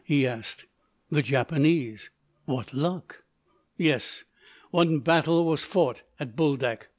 he asked. "The Japanese." "What luck!" "Yes. One battle was fought at Buldak.